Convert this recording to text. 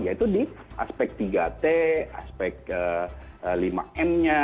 yaitu di aspek tiga t aspek lima m nya